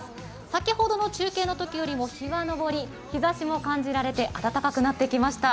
先ほどの中継のときよりも日が昇り日ざしも感じられて暖かくなってきました。